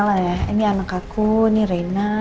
eh belum kenal lah ya ini anak aku ini reina